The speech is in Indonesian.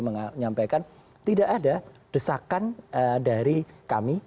menyampaikan tidak ada desakan dari kami